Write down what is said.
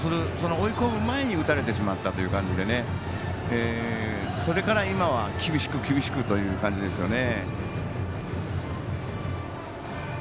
追い込む前に打たれてしまったという感じでそれから、今は厳しく厳しくという感じですね。